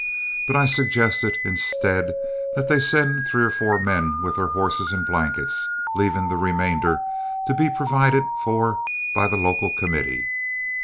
But I suggested, instead, that they send three or four men with their horses and blankets, leaving the remainder to be provided for by the local committee.